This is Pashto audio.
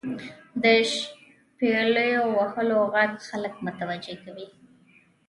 • د شپیلو وهلو ږغ خلک متوجه کوي.